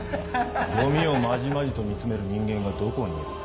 ゴミをまじまじと見つめる人間がどこにいる？